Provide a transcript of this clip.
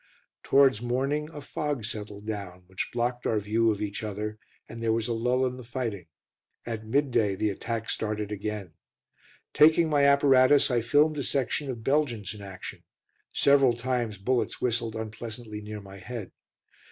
Towards morning a fog settled down, which blocked out our view of each other, and there was a lull in the fighting. At midday the attack started again. Taking my apparatus, I filmed a section of Belgians in action. Several times bullets whistled unpleasantly near my head.